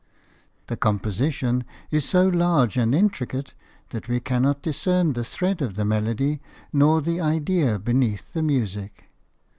The composition is so large and intricate that we cannot discern the thread of the melody nor the idea beneath the music.